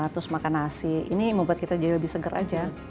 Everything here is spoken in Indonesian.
terus makan nasi ini membuat kita jadi lebih seger aja